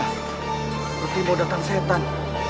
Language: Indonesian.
seperti mau datang setan